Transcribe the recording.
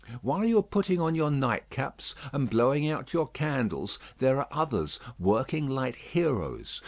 While you are putting on your night caps and blowing out your candles there are others working like heroes.